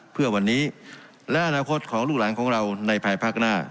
เพื่อวันนี้และอนาคตของลูกหลานของเราในภายภาคหน้า